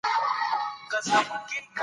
هغه د اسپانیا د سانتیاګو زیارلاره ووهله.